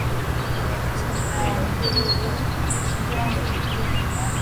โอ้ ฉันเคยเล่นเทนนิสตอนที่ฉันเป็นเด็ก